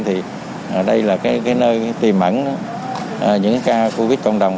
thì đây là cái nơi tìm ẩn những ca covid một mươi chín trong cộng đồng